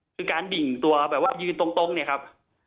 คือการดิ่งตัวแบบว่ายืนตรงเนี่ยครับ